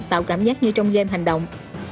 tạo cảm giác như trong game hành động